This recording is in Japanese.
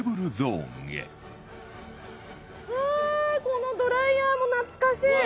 このドライヤーも懐かしい！